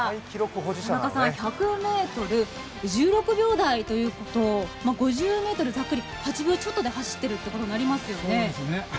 田中さん１００ｍを１６秒台ということは、５０ｍを８秒ちょっとで走っているということになりますね。